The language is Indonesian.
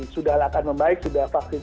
sudah akan membaik sudah vaksin